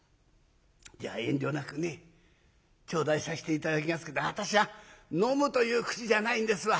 じゃ遠慮なくね頂戴させて頂きますけど私は飲むという口じゃないんですわ。